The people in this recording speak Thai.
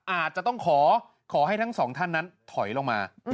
อาจจะต้องขอขอให้ทั้งสองท่านนั้นถอยลงมา